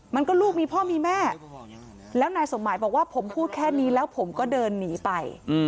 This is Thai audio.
ลูกมีพ่อมีแม่แล้วนายสมหมายบอกว่าผมพูดแค่นี้แล้วผมก็เดินหนีไป